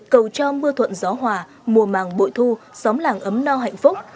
cầu cho mưa thuận gió hòa mùa màng bội thu xóm làng ấm no hạnh phúc